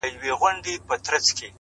دا وايي دا توره بلا وړي څوك ـ